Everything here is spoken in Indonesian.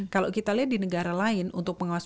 kalau kita lihat di negara lain untuk pengawasan